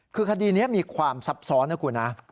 คือคดีนี้มีความซับซ้อนนะคุณนะ